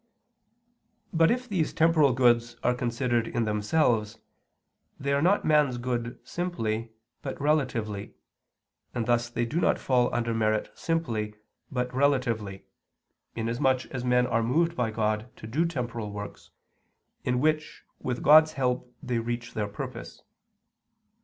But if these temporal goods are considered in themselves, they are not man's good simply, but relatively, and thus they do not fall under merit simply, but relatively, inasmuch as men are moved by God to do temporal works, in which with God's help they reach their purpose.